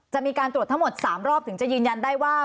จะมีการตรวจทั้งหมด๓รอบถึงจะยืนยันได้ว่า